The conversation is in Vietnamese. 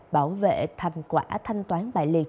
bảo vệ thành quả thanh toán bại liệt